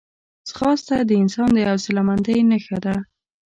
ځغاسته د انسان د حوصلهمندۍ نښه ده